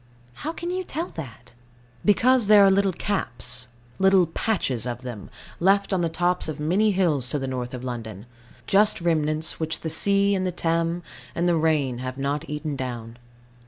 How can you tell that? Because there are little caps little patches of them left on the tops of many hills to the north of London; just remnants which the sea, and the Thames, and the rain have not eaten down.